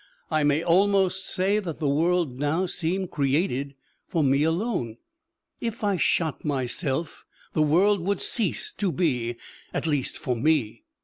I may almost say that the world now seemed created for me alone: if I shot myself the world would cease to be at least for me.